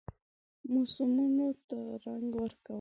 موسمونو ته رنګ ورکوم